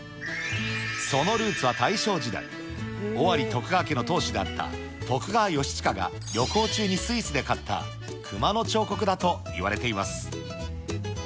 そのルーツは大正時代、尾張徳川家の当主であった徳川義親が旅行中にスイスで買った熊の彫刻だと言われています。